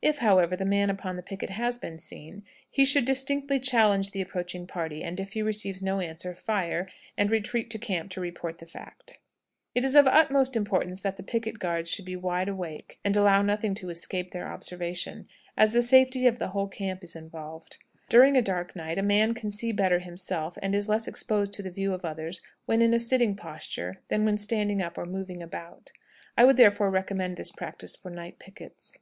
If, however, the man upon the picket has been seen, he should distinctly challenge the approaching party, and if he receives no answer, fire, and retreat to camp to report the fact. It is of the utmost importance that picket guards should be wide awake, and allow nothing to escape their observation, as the safety of the whole camp is involved. During a dark night a man can see better himself, and is less exposed to the view of others, when in a sitting posture than when standing up or moving about. I would therefore recommend this practice for night pickets.